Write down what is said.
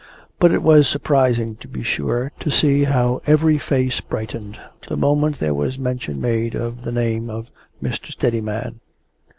But it was surprising, to be sure, to see how every face brightened the moment there was mention made of the name of Mr. Steadiman.